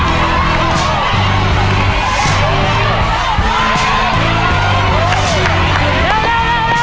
ตัวที่๔เคลื่อนทางแล้วนะครับ